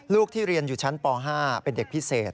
ที่เรียนอยู่ชั้นป๕เป็นเด็กพิเศษ